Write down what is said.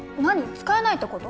使えないってこと？